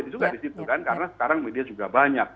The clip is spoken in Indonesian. tapi juga di situ kan karena sekarang media juga banyak